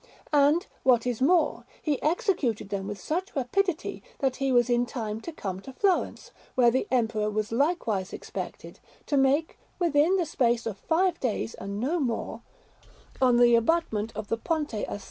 And, what is more, he executed them with such rapidity that he was in time to come to Florence, where the Emperor was likewise expected, to make within the space of five days and no more, on the abutment of the Ponte a S.